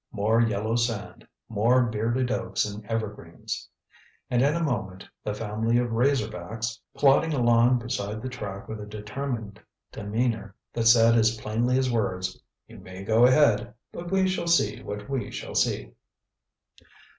More yellow sand, more bearded oaks and evergreens. And in a moment, the family of razor backs, plodding along beside the track with a determined demeanor that said as plainly as words: "You may go ahead but we shall see what we shall see."